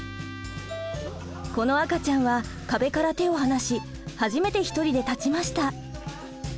この赤ちゃんは壁から手を離し初めて一人で立ちました。